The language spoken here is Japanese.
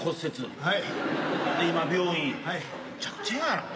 はい。